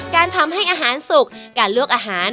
การทำให้อาหารสุกการลวกอาหาร